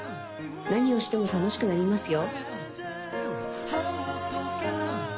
何をしても楽しくなりますよ